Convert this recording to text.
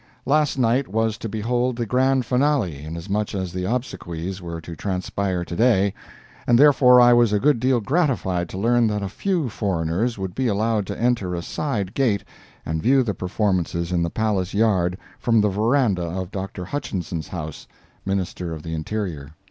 Last night was to behold the grand finale, inasmuch as the obsequies were to transpire to day, and therefore I was a good deal gratified to learn that a few foreigners would be allowed to enter a side gate and view the performances in the palace yard from the verandah of Dr. Hutchinson's house (Minister of the Interior).